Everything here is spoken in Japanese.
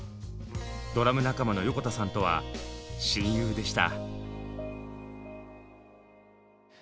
ドラム仲間の横田さんとは親友でした。